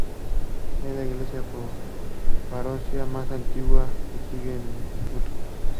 Es la iglesia feroesa más antigua que sigue en uso.